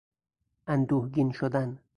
اندوهگین شدن